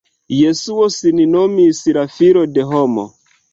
Jesuo sin nomis la "filo de homo".